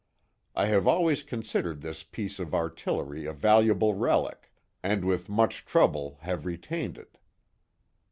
I have always considered this piece of artillery a valuable relic, and with much trouble have retained it.